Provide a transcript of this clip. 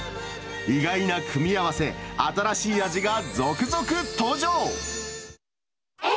意外な組み合わせ、新しい味が続々登場。